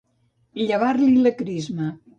Llevar-li la crisma.